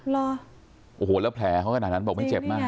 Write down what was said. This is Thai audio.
แล้วแผลเขาขนาดนั้นบอกไม่เจ็บมาก